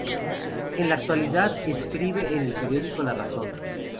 En la actualidad escribe en el periódico "La Razón".